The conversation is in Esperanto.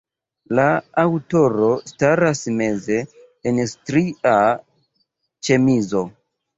La aŭtoro staras meze, en stria ĉemizo.